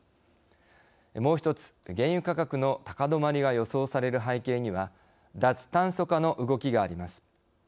もう１つ、原油価格の高止まりが予想される背景には脱炭素化の動きがあります。